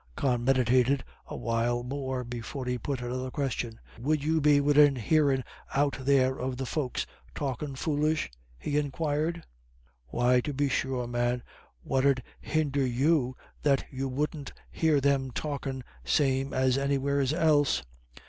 Con meditated a little more before he put another question. "Would you be widin hearin' out there of the folk talkin' foolish?" he inquired. "Why, tub be sure, man, what 'ud hinder you that you wouldn't hear them talkin' same as anywheres else?"